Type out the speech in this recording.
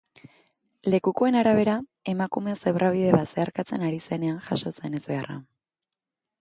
Lekukoen arabera, emakumea zebrabide bat zeharkatzen ari zenean jazo da ezbeharra.